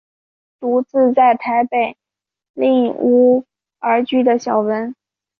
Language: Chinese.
独自在台北赁屋而居的小文。